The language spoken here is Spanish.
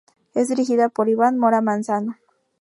Es dirigida por Iván Mora Manzano.